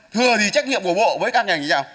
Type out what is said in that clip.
thừa thì trách nhiệm của bộ với các ngành như thế nào